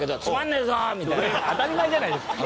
当たり前じゃないですか。